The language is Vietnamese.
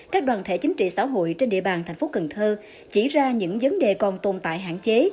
các đoàn thể chính trị xã hội trên địa bàn thành phố cần thơ chỉ ra những vấn đề còn tồn tại hạn chế